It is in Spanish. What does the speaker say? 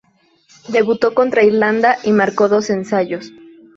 Debutó contra Irlanda, y marcó dos ensayos.